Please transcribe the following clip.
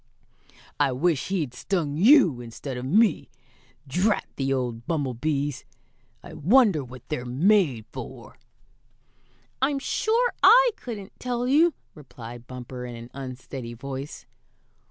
"I wish he'd stung you instead of me. Drat the old bumblebees! I wonder what they're made for!" "I'm sure I couldn't tell you," replied Bumper, in an unsteady voice.